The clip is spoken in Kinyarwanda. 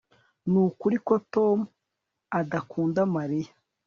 Nukuri ko Tom adakunda Mariya